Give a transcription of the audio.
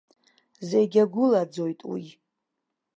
Зегь агәылаӡоит уи.